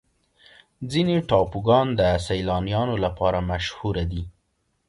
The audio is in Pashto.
ځینې ټاپوګان د سیلانیانو لپاره مشهوره دي.